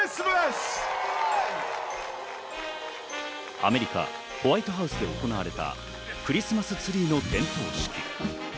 アメリカ・ホワイトハウスで行われたクリスマスツリーの点灯式。